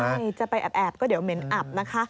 ใช่จะไปแอบก็เดี๋ยวเหม็นอับนะคะ